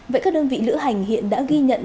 vậy các đơn vị lữ hành hiện đã ghi nhận